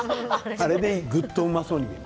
あれでぐっとうまそうになる。